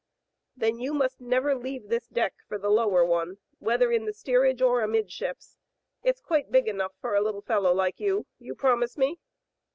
"Then you must never leave this deck for the lower one, whether in the steerage or amidships. It's quite big enough for a little fellow like you. You promise me?"